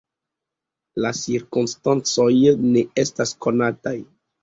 La cirkonstancoj ne estas konataj.